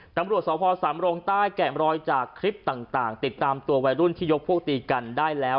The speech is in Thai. ตำรวจสพสำรงใต้แกะมรอยจากคลิปต่างติดตามตัววัยรุ่นที่ยกพวกตีกันได้แล้ว